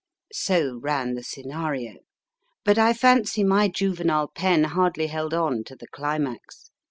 So ran the scenario ; but I fancy my juvenile pen hardly held on to the climax.